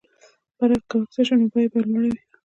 برعکس که وخت زیات شي نو بیه به لوړه وي.